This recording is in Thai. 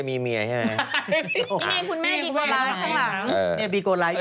มีเมียคุณแม่ปีกไม้มาข้างหลัง